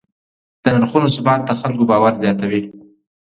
د نرخونو ثبات د خلکو باور زیاتوي.